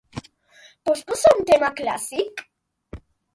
Pots posar un tema clàssic?